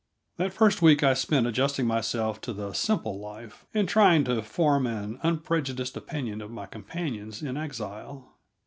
That first week I spent adjusting myself to the simple life, and trying to form an unprejudiced opinion of my companions in exile.